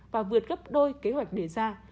và vượt gấp đôi kế hoạch đề ra